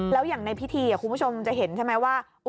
แล้วอย่างในพิธีคุณผู้ชมจะเห็นใช่ไหมว่า